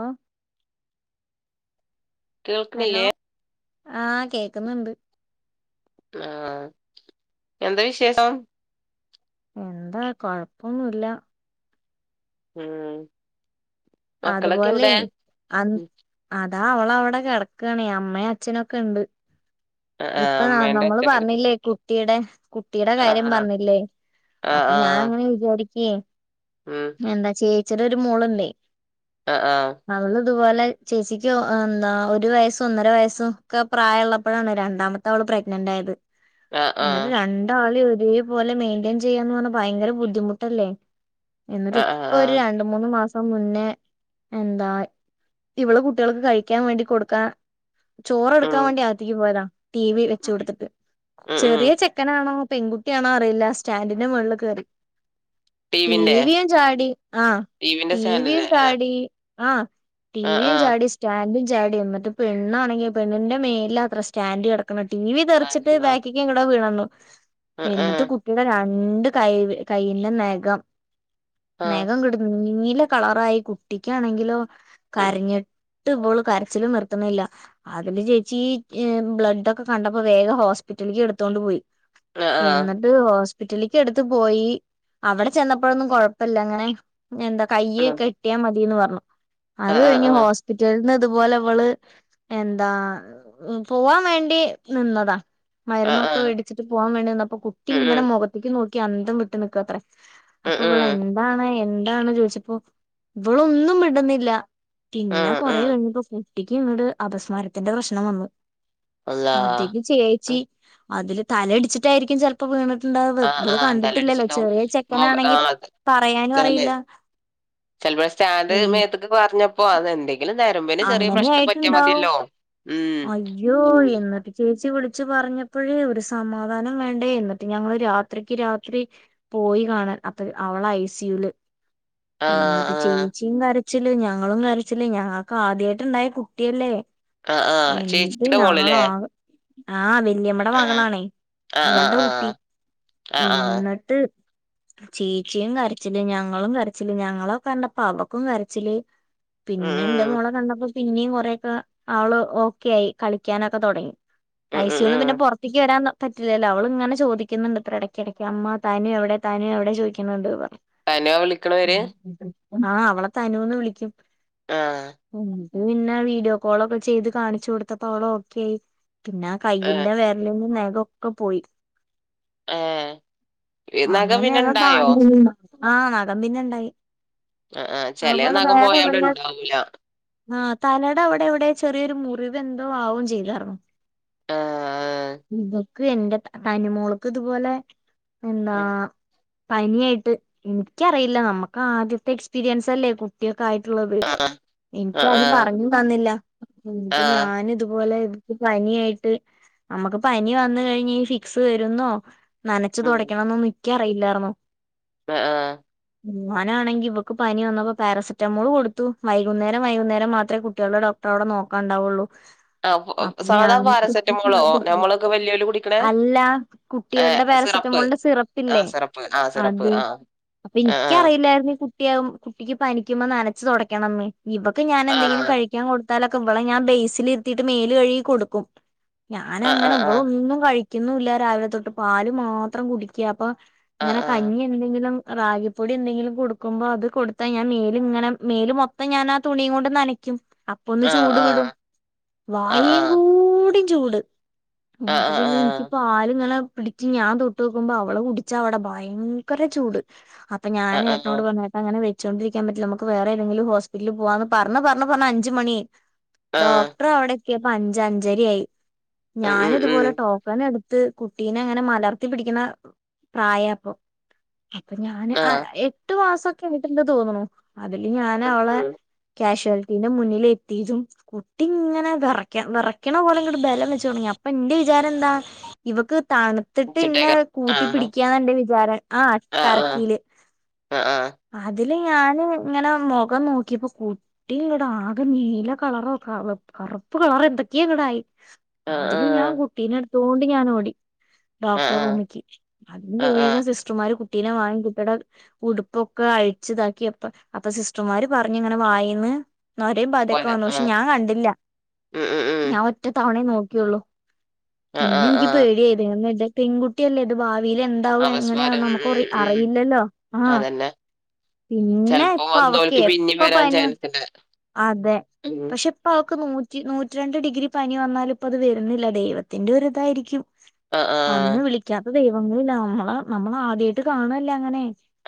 ആഹ് hello കേൾക്കണില്ലേ ആ കേക്കുന്നുണ്ട് ആഹ് എന്ത വിശേഷം എന്താ കൊഴപ്പൊന്നുല്ല ഉം മക്കളൊക്കെ അതുപോലെ എവിടെ അന്ന് അതാ അവളവിടെ കെടക്കണേ അമ്മയും അച്ഛനൊക്കെണ്ട് ആഹ് ആഹ് ഇപ്പൊ അമ്മേന്റെ നമ്മള് അച്ഛന്റെ അടുത്ത് പറഞ്ഞില്ലേ കുട്ടിയുടെ കുട്ടിയുടെ കാര്യം ആഹ് പർഞ്ഞില്ലേ ആഹ് അപ്പ ഞാൻ ആഹ് അങ്ങനെ വിചാരിക്കേ ഉം എന്താ ചേച്ചിയുടെ ഒരു മോളുണ്ടെ അഹ് ആഹ് അവളിതുപോലെ ചേച്ചിക്ക് എന്താ ഒരു വയസ്സും ഒന്നര വയസ്സുംക്കെ പ്രായള്ളപ്പഴാണ് രണ്ടാമത് ത്തവള് പ്രഗ്നന്റായത്. ആഹ് ആഹ് ന്നാലും രണ്ടാളേയും ഒരേ പോലെ മൈന്റൈൻ ചെയ്യാന്ന് പറഞ്ഞാ ഭയങ്കര ബുദ്ധിമുട്ടല്ലേ എന്നിട്ട് ആഹ് ആഹ് ഇപ്പൊ ആഹ് രണ്ട് മൂന്ന് മാസം മുന്നേ എന്താ ഇവള് കുട്ടികൾക്ക് കഴിക്കാൻ വേണ്ടി കൊടുക്കാ ഉം ചോറെടുക്കാൻ വേണ്ടി അകത്തിക്ക് പോയതാ ടി വി വെച്ച് കൊടുത്തിട്ട് ഉം ഉം ചെറിയ ചെക് ക്കനാണോ പെൺകുട്ടിയാണോ അറിയില്ല. സ്റ്റാൻറിന്റെ മുകളിൽ കയറി ടീവിന്റെ ടീവിയും ചാടി ആ ടീവിന്റെ ടീവിയും സ്റ്റാൻഡിന്റെ ആഹ് ടീ ആഹ് ആഹ് ടീവിയും ചാടി സ്റ്റാൻഡും ചാടി പെണ്ണാണെങ്കി, പെണ്ണിന്റെ മേൽലാത്ര സ്റ്റാൻഡ് കെടക് ക്കണ്. ടീവി തെറിച്ചിട്ട് ആഹ് ആഹ് ബാക്കിക്ക് എങ്ങട്ടോ വീണെന്ന്തോ എന്നിട്ട് ആഹ് കു ട്ടിന്റെ രണ്ട് കൈ കൈന്റെ നഖം, ആഹ് ആഹ് നഖം കട് നീല കളറായി കുട്ടിക്കാണെങ്കിലോ ഉം കരഞ്ഞിട് ട്ട് വള് കരച്ചിലും നിർത്ത്ണില്ല അതില് ചേച്ചി ബ്ലഡ്ഡക്കെ കണ്ടപ്പോ വേഗം ഹോസ്പിറ്റല്ക്ക് എടുത്തോണ്ട് പോയി ആഹ് ആഹ് എന്നട് ട്ട് അത് ഹോസ്പിറ്റലേക്ക് എടുത്ത് പോയി, അവടെ ചെന്നപ്പഴൊന്നും കൊഴപ്പല്ല ങ്ങനെ എന്ത കയ്യ് ഉം കെട്യാ മതിന്ന് പർഞ്ഞു. അത് ആഹ് ആഹ് കഴിഞ്ഞ് ആഹ് ഹോസ്പിറ്റലൽന്ന് തുപോലെ വള് എന്താ പോവാൻ വേണ്ടി നിന്നതാ ആഹ് മരുന്നൊക്കെ ആഹ് വേടിച്ചിട്ട് പോവാൻ വേണ്ടിന്നപ്പ ഉം ഉം കുട്ടിങ്ങനെ മുഖത്ത്ക്ക് നോക്കി അന്തം വിട്ട് നിക്കാത്രേ അപ്പൊവള് ഉം എന്താണ് എന്താണ് ചോയ്ച്ചപ്പോ വളൊന്നും മിണ്ടുന്നില്ല, ഉം പിന്നെ ഉം ഉം കൊറെകഴിഞ്ഞപ്പോക്ക് കുട്ടിക്ക് ഇങ്ങട് അപസ്മാരത്തിന്റെ പ്രശ്നം വന്നു. അള്ളാ അതില് ചേച്ചി അതില് തലടിച്ചിട്ടായിരിക്കും ചെൽ പ്പൊ വീണിട്ണ്ടായത്. ആഹ് ഇവള് ആഹ് കണ്ടിട്ടില്ലല്ലോ, തലയിടിച്ചിണ്ടാവും ചെറിയ മൊഖ ചെക്കനാണെങ്കി ആഹ് പറയാനു തലേ അറിയില്ല ചെലപ്പോ സ്റ്റാൻഡ് ഏ മേത്തക്ക് പറഞ്ഞപ്പോ അത് എന്തെ ങ്കിലും നെരമ്പില് ചെറ്യ പ്രശ്നം പറ്റ്യാ അങ്ങനെയായിട്ടുണ്ടാവും മത്യല്ലോ അയ്യോ എന്നിട്ട് ചേച്ചി വിളിച്ചു പറഞ്ഞപ്പഴ് ഒരു സമാധാനം വേണ്ട? എന്നിട്ട് ഞങ്ങള് രാത്രിക്ക് രാത്രി പോയി കാണാൻ അപ്പ അവള ഐ സി യുല് ആഹ് എന്നിട്ട് ആഹ് ചേച്ചിയും കരച്ചില് ഞങ്ങളും കരച്ചില് ഞങ്ങൾക്ക് ആദ്യായിട്ട് ഇണ്ടായ കുട്ട്യല്ലേ? ആഹ് ആഹ് എന്ത് ചേച്ചിയുടെ മോള്ല്ലേ ഞങ്ങളാക ആഹ് വല്യമ്മടെ ആഹ് മകളാണേ ആഹ് ആഹ് മകളുടെ കുട്ടി ആഹ് ആഹ് ആഹ് ഇന്ന് ട്ട് ചീച്ചിയും കരച്ചില്. ഞങ്ങളും കരച്ചില്. ഞങ്ങളൊകണ്ടപ്പ അവക്കും കരച്ചില് ഉം പിന്നെ ന്റെ മോളെ കണ്ടപ്പോ പിന്നിം കൊറേയൊക്കെ ആള് ഓക്കെ ആയി. കളിക്കാനൊക്കെ തൊടങ്ങി. ഉം ഉം ഐ സി ഉം യുന്ന് ഉം പിന്നെ പൊറ ത്തിക്ക് വരാൻ പറ്റില്ലല്ലോ. അവള് ങ്ങനെ ചോദിക്കുന്നുണ്ട് ത്രേ എടയ്ക്ക് എടയ്ക്ക് അമ്മ തനു എവടെ തനു എവടെ ചോദിക്കുന്നുണ്ട് പറഞ്ഞു തനുവാ വിളിക്കണവര് ആഹ് അവള തനുന്ന് വിളിക്കും ആഹ് ന്ന് ന്നേ വീഡിയോ കോളൊക്കെ ചെയ്ത് കാണിച്ചു കൊടുത്തപ്പോ അവളോക്കെ ആയി പിന്ന ഏഹ് കയ്യിന്റെ വേരല്ന്ന് നെഖോക്കെ പോയി ഏഹ് നഖം പിന്നെ അങ്ങനേതോ ഇണ്ടായോ [unintelligible] ആഹ് നെഖം പിന്നണ്ടായി ആഹ് ആഹ് ചെലേ നഖം പോയാവടെ എവിടെയോ ഇണ്ടാവൂല. ആഹ് തലട അവടെ എവടെ ചെറിയൊരു മുറിവ് എന്തോ ആവും ചെയ്തെർന്നു. ആഹ് ഇവക്ക് എന്റെ തനു മോളക്ക് ഇതുപോലെ എന്താ ആഹ് പനിയായിട്ട്. എനിക്കറിയില്ല. നമ്മക്ക് ആദ്യത്തെ എക്സ്പീരിയൻസ് അല്ലേ? കു ട്ട്യോക്കെ ആയിട്ടുള്ളത്. ആഹ് എനിക്കാരും ആഹ് പറഞ്ഞും തന്നില്ല. എന്നിട്ട് ആഹ് ഞാന് ഇതുപോലെ പന്യായിട്ട് നമ്മക്ക് പനി വന്ന് കഴിഞ്ഞ ഈ ഫിക്സ് വരുന്നോ നനച്ചു ഉം തൊടയ്ക്കണംന്നൊന്നും ഇയ്ക്കറിയില്ലായിരുന്നു ആഹ് ആഹ് ഞാനാണെങ്കി ഇവക്ക് പനി വന്നപ്പോ പാരസെറ്റമോള് കൊടുത്തു. വൈകുന്നേരം വൈകുന്നേരം മാത്രേ കുട്ട്യോൾടെ ഡോക് അവടെ നോക്കാണ്ടാവൊള്ളൂ അപ്പ ആഹ് സാധാ ഞാന് പാരസെറ്റമോളോ [unintelligible] നമ്മളൊക്കെ വല്യോല് കുടിക്കണേ അല്ല കുട്ടികൾടെ ഏഹ് സിറപ്പ് പാരസെറ്റമോളിന്റെ ആ സിറപ്പില്ലേ? സിറപ്പ് ആ സിറപ്പ് അത് ആ അപ്പ ആ ഇനിക്കറിയില്ലായിരുന്നു ഈ കു ട്ട്യാകും കുട്ടിക്ക് പനിക്കുമ്പോ നനച്ചു തൊടയ്ക്കണംന്ന്. ഇവക്ക് ഞാൻ ആ എന്തെങ്കിലും കഴിക്കാൻ കൊട് മ്പളൊക്കെ ഇവളെ ഞാൻ ബേസിൽ ഇരുത്തിയിട്ട് മേല് കഴുകി കൊടുക്കും. ആ ആ ആ ഞാനങ്ങനെ ആ ഇവളൊന്നും കഴി ക്കുന്നുല്ല രാവിലെ തൊട്ട്. പാല് മാത്രം കുടിക്കാ. അപ്പ ആ ഇങ്ങനെ കഞ്ഞി ന്തെങ്കിലും റാഗിപ്പൊടി എന്തെങ്കിലും കൊടുക്കുമ്പോ അത് കൊടുത്താ ഞാൻ മേല് ഇങ്ങനെ മേല് മൊ ത്തം ഞാനാ ആ തുണിം കൊണ്ട് നനക്കും പ്പ ഒന്ന് ആ ആ ആ ചൂട് വിടും. ആ വായേം കൂടി ചൂട് ആ ഇന്നട്ട് പിന്നെ ഇനിക്ക് ആ പാലിങ്ങനെ പിടിച്ച് ഞാൻ തൊട്ട് നോക്കുമ്പോ അവള് കുടിച്ചാ അവടെ ഭയങ്കര ചൂട് അപ്പ ഞാന് ഏട്ടനോട് പറഞ്ഞു ങ്ങനെ വെച്ചുകൊണ്ടിരിക്കാൻ പറ്റില്ല നമക്ക് വേറെ ഏതെങ്കിലും ഹോസ്പിറ്റിലിൽ പോവാന്ന് പറഞ്ഞ് പറഞ്ഞ് പറഞ്ഞ് അഞ്ച് മണിയായി ആ ആ ഡോക്ടറ് അവട എത്തിയപ്പ അഞ്ച് അഞ്ചരയായി. ഉം ഞാന് ഉം ഉം ഇതുപോലെ ടോക്കൺ എടു ത്ത് കുട്ടീനേങ്ങനെ മലർത്തി പിടിക്കുന്ന പ്രായാ അപ്പോ അപ്പ ഞാന് ആ ആഹ് എട്ടു മാസൊക്കെ ആയിട്ട്ണ്ട് തോന്നണു. അതില് ഉം ഞാനവളെ കാഷ്വാലിറ്റീന്റെ മുന്നിൽ എത്തിതും കുട്ടി ഇങ്ങനെ വെറയ്‌ക്ക വെറക്കണ പോലെ ഇങ്ങ്ട് ബലം വെച്ചു തൊടങ്ങി. അപ്പ ന്റെ വിചാരെന്താ? ഇവക്ക് തണ് ഉം ത്തിട്ട്ന്നെ ചിട്ടേക്കൻ ആ കൂട്ടി പിടിക്കാന്നാന്റെ വിചാരം. ആ ടർക്കില് ആ ആ ആ അതില് ഞാന് ഇങ്ങനെ മാെഖം നോക്കിയപ്പാെ കുട്ടിങ്ങ്ട് ആ കെ നീല കളറോ കറപ് കറുപ്പ് കളറെ എന്തക്കേങ്ങ്ടായി അതില് ഞാൻ കുട്ടീനെട് ത്തോണ്ട് ഞാൻ ഓടി ആ ആ ആ ഡോക്ടറെ റൂമിക്ക് അതില് ആ വേഗം സിസ് ട്റ്മാര് കുട്ടീനെ വാങ്ങി കുട്ടിടെ ഉടുപ്പൊക്കെ അഴിച്ച്താക്കിയെപ്പൊ അപ്പൊ സിസ്ട്റ്മാര് പറഞ്ഞ് ഇങ്ങനെ വായേന്ന് നൊരേം പതെക്കെ കൊല വന്നു ആ പക്ഷെ ഞാൻ കണ്ടില്ല ഉം ഉം ഉം ഞാൻ ഒറ്റത്തവണേ നോക്കിയൊള്ളു ആ ആ പിന്നെ ഇൻക്ക് ആ പേടിയായി ദൈവമേ ഇത് പെൺകുട്ടിയെല്ലേ ഇത് ഭാവീല് എ ന്താവും അപസ്മാരം എങ്ങനെയാന്ന് ഉം നമുക്കാെറി ഉം ഉം അറിയില്ലല്ലോ ആഹ് അതന്നെ ചെലപ്പോ പിന്നെപ്പ അവക്ക് വന്നോൽക്ക് പിന്നിം എപ്പ വരാൻ പനി വൻ ചാൻസ്ണ്ട് അതെ ഉം പക്ഷെ ഇപ്പവക്ക് നൂറ്റി നൂറ്റി രണ്ട് ഡിഗ്രി പനി വന്നാലും ഇപ്പ അത് വെര്ന്നില്ല ദൈവത്തിന്റെ ഒര് ഇതായിരിക്കും ആഹ് ആഹ് അന്ന് വിളിക്കാത്ത ദൈവങ്ങളില്ല അമ്മള് നമ്മളാദ്യായിട്ട് കാണ്ല്ലേ അങ്ങനെ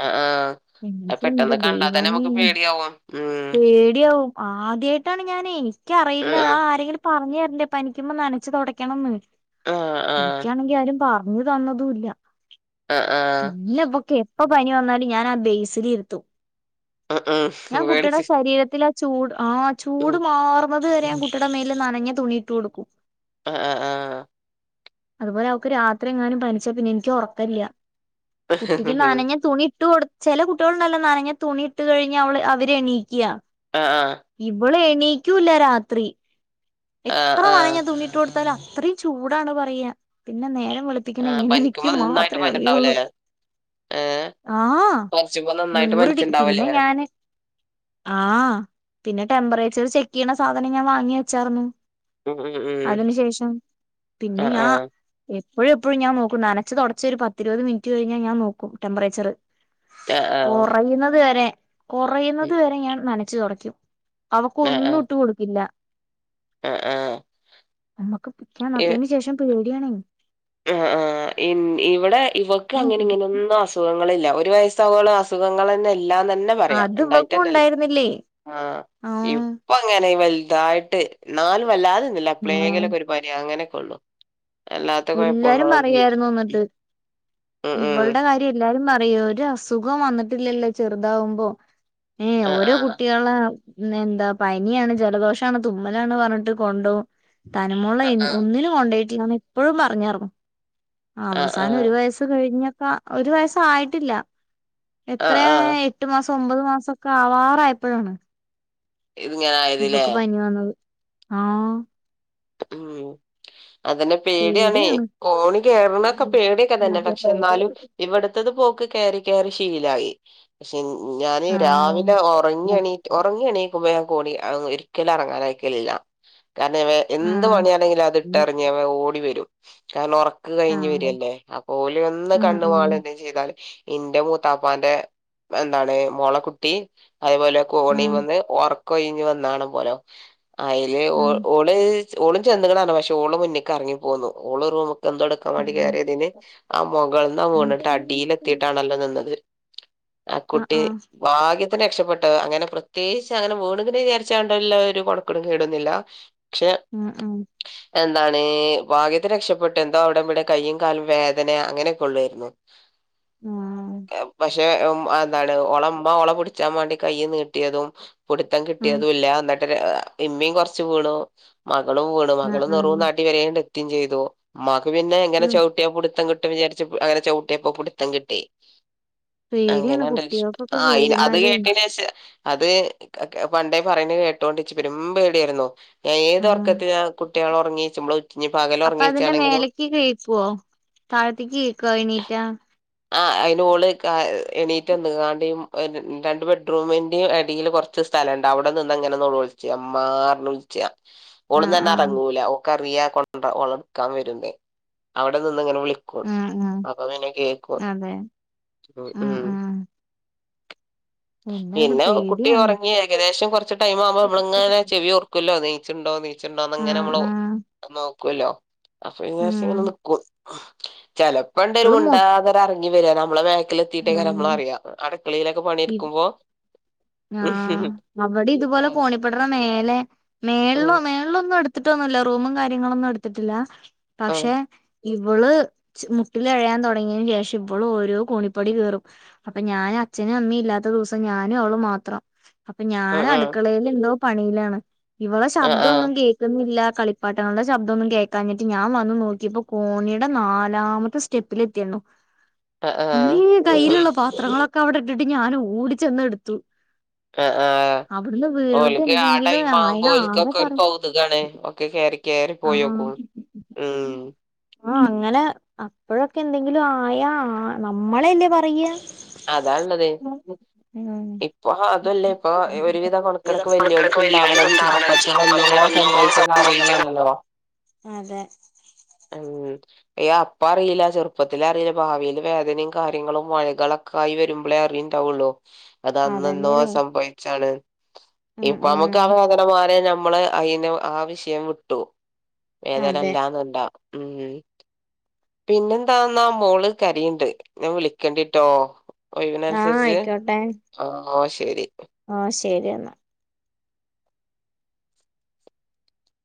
ആ ആ അത് എങ്ങൻച്ച ഇന്റ പെട്ടെന്ന് കണ്ടാ തന്നെ ദൈവമേ നമുക്ക് പേടിയാവും ഉം പേടിയാവും ആദ്യായിട്ടാണ് ഞാനേ ഇക്കറിയില്ല ആഹ് ആരെങ്കിലും പറഞ്ഞെര്ണ്ടേ പനിക്കുമ്പം നനച്ച് തൊടക്കണംന്ന് ആഹ് തുടക്കണന്ന് ആഹ് ഇൻക്കാണെങ്കി ആരും പറ്ഞ്ഞ്തന്നതൂല്ല ആഹ് ആഹ് പിന്നെ ഇവക്ക് എപ്പ പനി വന്നാലും ഞാനാ ആ ബേസില് ഇരുത്തും ഉം ഞാൻ ഉം കുട്ടിടെ പേടിച്ച് ശരീരത്തിലാചൂട് ആഹ് ഉം ചൂട് മാറും വത് വരേം കുട്ടിടെ മേൽ നനഞ്ഞ തുണിയിട്ട്കൊടുക്കും ആഹ് ആഹ് ആഹ് അതുപോലെ അവക്ക് രാത്രിയെങ്ങാനും പനിച്ചാ പിന്നെ എനിക്ക് ഒറക്കല്യ കുട്ടിക്ക് ആഹ് നനഞ്ഞ തുണി ഇട്ട് കൊട് ചെല കുട്ടികള് ഇണ്ടാവൂലെ നനഞ്ഞ തുണി ഇട്ട് കഴിഞ്ഞഅവള് അവരെണീക്യ ആഹ് ആഹ് ഇബള് എണീക്കൂല്ല രാത്രി ആഹ് എത്ര ആഹ് നനഞ്ഞ തുണിട്ട് കൊടുത്താലും അത്രീം ചൂടാണ് പറയാ പിന്നെ നേരം വെളിപ്പിക്ക്ന്നത് ആഹ് എങ്ങനേന്ന് പനിക്കുമ്പോ ഇക്ക് നന്നായിട്ട് മാത്രേ അറിയുള്ളൂ പനിണ്ടാവുലേ ഏഹ് ആഹ് പനിച്ചുമ്പോ നന്നായിട്ട് നൂറ്ഡി പിന്നെ പനിച്ചിണ്ടാവുലേ ഞാന് ആഹ് പിന്നെ ടെംമ്പ്റേച്ചറ് ചെക്കിയ്ണ സാധനം ഞാൻ വാങ്ങി വെച്ചാർന്നു ഉം ഉം ഉം അതിനു ശേഷം പിന്നെ ആഹ് ഞാ ആഹ് എപ്പഴും എപ്പഴും ഞാൻ നോക്കും നനച്ച്താെടച്ച് ഒര്പത്തിരിവത് മിൻറ്റ് കെഴിഞ്ഞാ ഞാൻ നോക്കും ടെമ്പറേച്ചറ് ആഹ് ആഹ് കൊറയ്ന്നത് വരെ ഉം കൊറയുന്നത് വരെ ഞാൻ നനച്ചു തൊടക്കും അവക്ക് ആഹ് ഒന്നും ആഹ് ഇട്ട് കൊട്ക്കില്ല ആഹ് ആഹ് അമ്മക്ക് ഇപ്പച്ചേ ഇ മറ്റെെന്ശേഷം പേടിയാണേ ആഹ് ആഹ് ഇൻ ഇവടെ ഇവക്ക് അങ്ങനെ ഇങ്ങനെ ഒന്നും അസു തുവങ്ങളില്ല ഒര് വയസ്സാവോളം അസുഖങ്ങളെന്നെ ഇല്ലാന്നെ പറയാം അത് ഇവക്കും ഇണ്ടായിട്ടെന്നെല്ല ഉണ്ടായിരുന്നില്ലേ വി ആഹ് ഉം ആഹ് ഇപ്പ അങ്ങനെ വെൽതായിട്ട് ഇന്നാലും വെല്ലാതെന്നുല്ല ആഹ് എപ്ളേങ്കിലൊക്കെ ഒരു പനി അങ്ങനെക്കാെള്ളു അല്ലാത്ത കൊയ എല്ലാരും പറയായ്ര്ന്നു ഇന്ന്ട്ട് ഉം ഉം ഇവൾടെ കാര്യ എല്ലാരും പറയും ഒര്അസുഖും വന്ന്ട്ടില്ലല്ലോ ചെറ്താവുമ്പാെ ഏഹ് ഓരോ ആഹ് കുട്ടികളേ ഉം എന്താ പനിയാണ് ജലദോഷാണ് തുമ്മലാണ് പർണ് ട്ട് കൊണ്ടാെവും ആഹ് തനുമോളേം ആഹ് ഒന്നിലും കൊണ്ടോയ്ട്ടില്ലന്ന് എപ്പഴും പറഞ്ഞേർന്നു ആഹ് ആഹ് അവസാനം ആഹ് ഒരു വയസ്സ് കഴിഞ്ഞക്ക ഒരു വയസ്സായിട്ടില്ല ആഹ് എത്രയാ ആഹ് എ ട്ട്മാസം ഒമ്പത് മാസൊക്കെ ആവാറായപ്പഴാണ് ഇത്ങ്ങനെ ഇവക്ക് പനി വന്നത് ആഹ് ഉം അതെന്നെ പേടിയാണേ പേടിയാണ് കോണി കേറ്ണത്ക്കെ പേടിയെക്കെ തന്നെ പക്ഷെ എന്നാലും ഇവടത്തത് ഇപ്പൊ ഓക്ക് കേറി കേറി ശീലായി പക്ഷെ ഞാന് ആ രാവിലെ ഒറങ്ങിയെണീ ഒർങ്ങി എണീക്കുമ്പോ ഞാൻ കോണി ഒരിക്കലും എർങ്ങാനയക്കലില്ല കാരണം വേ ആ എന്ത് പണ്യാണേങ്കിലും അത് ഇട്ടറിഞ്ഞ് അവ ഓടി വരും കാരണം ഒർ ക്ക് കയ്ഞ് ആ വരല്ലേ അപ്പൊ ഓല് ഒന്ന് ആഹ് കണ്ണ് ആഹ് മാളി എന്തേലും ചെയ്താല് ഇന്റെ മൂത്താപ്പാന്റെ എന്താണ് മോളെക്കുട്ടി അയേപോലെ കോണിമന്ന് ഒർക്കൊഴിഞ് വന്നാണ് പോലൊ അയ്ല് ആഹ് ആഹ് ഓള് ഓളും ചെന്ന്ക്ണലോ പക്ഷെഓള് മുന്ന്ക്ക് എർങ്ങി പോന്നു ഓള് റൂമ്ക്കെന്തോട്ക്ക എട്ക്കാൻ വേണ്ടി ആഹ് കയറിയതിന് ആ മുകളൾന്ന് ആ ഉം വീണിട്ട് ആഹ് അടിലെത്തിയിട്ടാണല്ലോ നിന്നത്. ആഹ് കുട്ടി ഭാഗ്യത്തിന് രക്ഷപ്പെട്ടതാ അങ്ങനെ പ്രത്യേകിച്ച് അങ്ങനെ വീണ് ണ്ങ്ങിനെ വിചാരിച്ചാണ്ടല്ല ഒരു കൊൺക്കടും കേടൊന്നുല്ല. പക്ഷെ മ് മ്. എന്താണ് ഭാഗ്യത്തിന് രക്ഷപ്പെട്ട് എന്തോ അവിടെം ഇവിടെം കയ്യും കാലും വേദന അങ്ങനെയൊക്കെ ഉള്ളാര്ന്നു. [inaudible] പക്ഷേ ഉം അ അതാണ് ഓളെമ്മ ഓളെ പിടിച്ചാൻ വേണ്ടി കൈ നീട്ട്യതും പിടിത്തം ആഹ് കിട്യതുംല്ല എന്നിട്ട് ഇമ്മിം കൊർച്ച വീണു മകളും വീണു ആഹ് മകള് ആഹ് നെറൂന്ന് അടി വരെ എത്തിം ചെയ്തു. മ്മാക്ക് പിന്നെ ഇങ്ങനെ ഉം ചൗട്ട്യാ പുട്ത്തം കിട്ടും വിചാരിച്ച് അങ്ങനെ ചൗട്ട്യപ്പം പുടുത്തം കിട്ടി. പേടിയാണ് അങ്ങനാ രക്ഷ കുട്ടികൾക്കൊക്കെ ആഹ് അത് വീണാലേ കേട്ടേനേഷം അത് പണ്ടേ പറിണെ കേട്ടോണ്ട് ഇച്ച് പെരും പേട്യാരുന്നു ഞാൻ ഏത് ഒർ ആഹ് ക്കത്തില്‌ ഞാ കുട്ട്യള് ഒർ ങ്ങീച്ച്മ്പളും ഞ്ഞ് പകല് ഒർ ങ്ങീച്ചാണെങ്കിലും ഞ്ഞ്കയ്ക്കോ? താഴത്തേക്ക് കേക്കോ ണീറ്റാ? ആ അയ്ന് ഓള് എണീറ്റ് വന്ന് കാണ്ട് രണ്ട് ബെഡ്റൂമിന്റിം എടേല് കൊർ- ച്ച് സ്ഥലണ്ട് അവ്ടെ നിന്ന അങ്ങനെ നോലോൾച്ച മ്മാ അർഞ്ഞ് വ്ൾച്ച ആഹ് ഓള്ന്നന്നെ ആഹ് അറങ്ങൂല ഓൾക്ക്‌ അറിയ ഓളെ ഇട്‌ക്കാൻ വരുന്ന് അവിടെ നിന്ന് അങ്ങനെ വിളി ആഹ് ആഹ് അപ്പൊ പിന്നെ കേക്കും അതെ ഉം. ആഹ് ആഹ് എല്ലാരും പിന്നെ കുട്ടി പേടിയാണ് ഒർങ്ങി ഏകദേശം കൊർച്ച് ടൈം ആവുമ്പോ നമ്മളങ്ങനെ ചെവിയോർക്കൊല്ലോ നീച്ച്ണ്ടോ നീ ച്ച്ണ്ടോന്ന് അങ്ങനെ ആഹ് നമ്മള് ആഹ് നോകൊല്ലോ. അപ്പൊ ഉം വിചാര്ച്ചങ്ങനെ നിക്കും ചെലപ്പണ്ടരു ഇപ്പളും മൊ മുണ്ടാതെ തെ എർങ്ങി വരൊ നമ്മളെ ബേക്കിലത്തിയിട്ടൊക്കെ നമ്മള അറിയാം അടുക്കളിയിലൊക്കെ പണിഎടുക്കുമ്പോ ആ അവടീം ഇതുപോലെ കോണിപ്പെടെടെ മേലെ മേളള് ആഹ് മേ ളൊന്നും എടുത്തിട്ടൊന്നുല്ല റൂമും കാര്യങ്ങളൊന്നും എടുത്തിട്ടില്ല ആഹ് പക്ഷെ? ഇവള് മുട്ടിലഴയാൻ തൊടങ്ങിയേന് ശേഷം ഇവള് ഓരോ കോണിപ്പടി കയറും. അപ്പ ഞാന് അച്ഛനും അമ്മിം ഇല്ലാത്ത ദിവസം ഞാനും അവളും മാ ത്രം അപ്പം ഞാൻ ആഹ് അട്ക്കളേല് എന്തോ പണിയിലാണ് ഇവളെ ശബ്ദം ഒന്നും ആഹ് കേ- ല്ല കളിപ്പാട്ടങ്ങളുടെ ശബ്ദമൊന്നും കേൾക്കാഞ്ഞിട്ട് ഞാൻ വന്നു നോക്കിയപ്പോ കോണിയുടെ നാലാമത്തെ സ്റ്റെപ് സ്റ്റെപ്പിലെത്തിന്നു അമ്മേ ആഹ് കയ്യിലുള്ള പാ ത്രങ്ങളൊക്കെ അവ്ടെ ഇട്‌ട്ട് ഞാൻ ഓടി ചെന്നെടുത്തു. ആഹ് ആഹ്. വീണിട്ട് ഓൽക്ക് ആ എന്തെങ്കിലും ടൈം ആയാ ആകെ ആവുമ്പോൽക്കൊക്കെ ഒര് പറയും കൗതുകാണ് ഒക്കെ കേറി കേറി ആഹ് പോയോക്കും. മ്. ആ അങ്ങനെ അപ്പഴൊക്കെ എന്തെങ്കിലും ആയാ ആ നമ്മളെല്ലേ പറയ? അതാഇള്ളതെ. ഇമ്പം അതും അല്ലേ ഇപ്പൊ ഒരുവിധ കൊൺകടൊക്കെ മക്കൾക്ക് വെല്യോൽക്ക് വെല്ലുവിളികൾ ഇണ്ടാവ്ണ ഉണ്ടാവണം ചെറുപ്പത്തി ചെറുപ്പത്തിൽ എന്നോ സംഭവി ഒന്നും ച്ച സംഭവിക്കണം കാര്യങ്ങളാണല്ലോ. അതെ. [unintelligible] ഏയ് അപ്പ അറീല ചെർപ്പത്തിലറീല ഭാവിയിൽ വേദനിം കാര്യങ്ങളും മൊഴകള കായ് വരുമ്പളേ അറിണ്ടാവൊള്ളൂ അത് അന്നന്നോ അതന്നെയാണേ സംഭവിച്ചാണ്. ഉം ഇപ്പ അമ്മക്ക് ആ ഉം വേദനമാറ്യാ നമ്മള് അയ്ന് ആ വിഷയം വിട്ടു. അതെ വേദനല്ലാന്നണ്ടാ ഉ പിന്നെന്താന്നാ മോള് കരിയുണ്ട് ഞാൻ വിളിക്കേണ്ടിട്ടോ ആഹ് ഒയിവിനനുസരിച്ച് ആ ശരി ആഹ് ശരി എന്ന